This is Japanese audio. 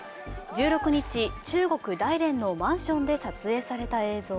１６日、中国・大連のマンションで撮影された映像。